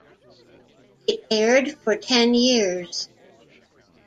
It aired for ten years.